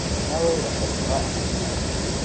nabo bakaduha amafaranga